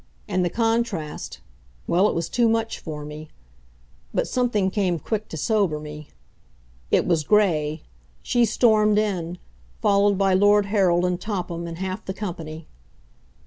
And the contrast well, it was too much for me. But something came quick to sober me. It was Gray. She stormed in, followed by Lord Harold and Topham, and half the company.